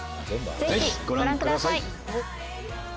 ぜひご覧ください。